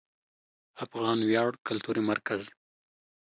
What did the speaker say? افغان ویاړ کلتوري مرکز